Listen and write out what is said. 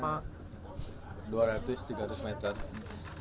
jadi nanti kita lihat lagi